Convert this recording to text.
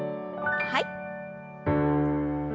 はい。